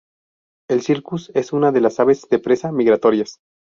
El "Circus" es una de las aves de presa migratorias.